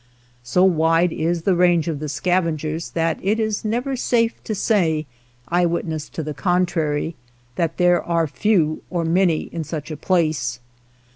So wide is the range of the scavengers that it is never safe to say, eyewitness to the contrary, that there are few or many in such a place.